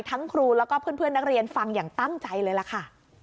ครูแล้วก็เพื่อนนักเรียนฟังอย่างตั้งใจเลยล่ะค่ะ